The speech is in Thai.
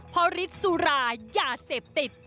เพราะฤทธิ์สุรายาเสพติด